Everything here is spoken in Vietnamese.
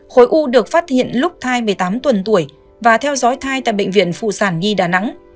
khối u được phát hiện lúc thai một mươi tám tuần tuổi và theo dõi thai tại bệnh viện phụ sản nhi đà nẵng